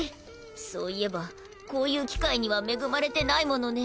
そういえばこういう機会には恵まれてないものね。